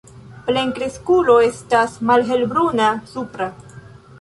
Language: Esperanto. Plenkreskulo estas malhelbruna supra.